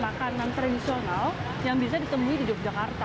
makanan tradisional yang bisa ditemui di yogyakarta